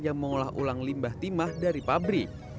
yang mengolah ulang limbah timah dari pabrik